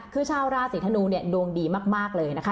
คือชาวราศีธนูเนี่ยดวงดีมากเลยนะคะ